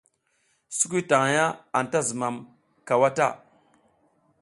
Sukuy taƞʼha anta zumam cawa ta.